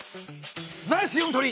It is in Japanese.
ナイス読み取り！